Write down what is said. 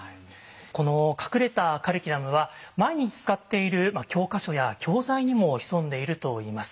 この隠れたカリキュラムは毎日使っている教科書や教材にも潜んでいるといいます。